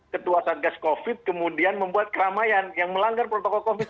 ketua satgas covid kemudian membuat keramaian yang melanggar protokol covid